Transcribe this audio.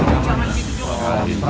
aku udah tua